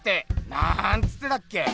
なんつってたっけ？